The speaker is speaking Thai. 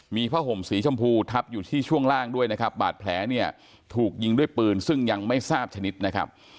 มีผ้าห่มสีชมพูทับอยู่ที่ช่วงล่างด้วยนะครับบาดแผลเนี่ยถูกยิงด้วยปืนซึ่งยังไม่ทราบชนิดนะครับ